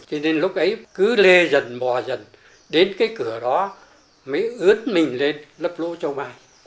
cho nên lúc ấy cứ lê dần bò dần đến cái cửa đó mới ướt mình lên lấp lỗ châu mai